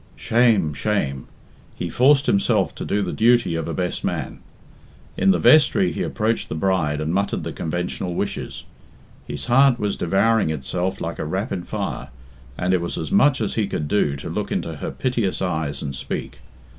Shame, shame! He forced himself to do the duty of a best man. In the vestry he approached the bride and muttered the conventional wishes. His heart was devouring itself like a rapid fire, and it was as much as he could do to look into her piteous eyes and speak.